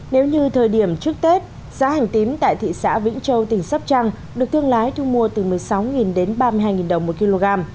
nếu như thời điểm trước tết giá hành tím tại thị xã vĩnh châu tỉnh sóc trăng được thương lái thu mua từ một mươi sáu đến ba mươi hai đồng một kg